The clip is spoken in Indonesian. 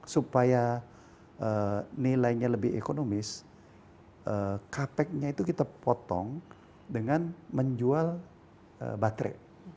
supaya nilainya lebih ekonomis kapeknya itu kita potong dengan menjual baterai